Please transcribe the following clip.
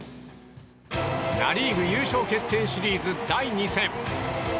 ナ・リーグ優勝決定シリーズ第２戦。